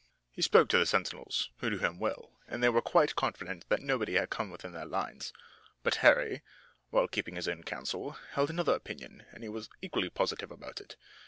He spoke to the sentinels, who knew him well, and they were quite confident that nobody had come within their lines. But Harry, while keeping his own counsel, held another opinion and he was equally positive about it.